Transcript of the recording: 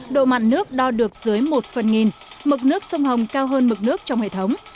độ mặn nước đo được dưới một phần nghìn mực nước sông hồng cao hơn mực nước trong hệ thống